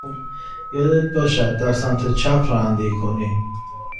یادت باشد در سمت چپ رانندگی کنی.